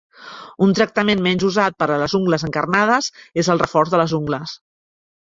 Un tractament menys usat per a les ungles encarnades és el reforç de les ungles.